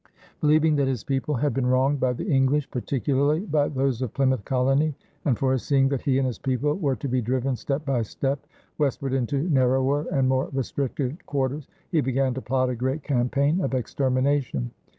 Believing that his people had been wronged by the English, particularly by those of Plymouth colony, and foreseeing that he and his people were to be driven step by step westward into narrower and more restricted quarters, he began to plot a great campaign of extermination.